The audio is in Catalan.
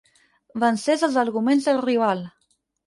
Vencés els arguments del rival.